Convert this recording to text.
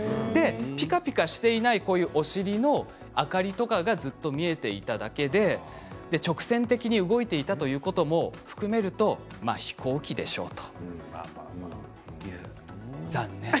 ピカピカしていないお尻の明かりとかがずっと見えていただけで直線的に動いていたということも含めると飛行機でしょうと。